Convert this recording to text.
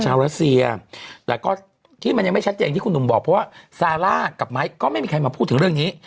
รัสเซียแต่ก็ที่มันยังไม่ชัดเจนที่คุณหนุ่มบอกเพราะว่าซาร่ากับไม้ก็ไม่มีใครมาพูดถึงเรื่องนี้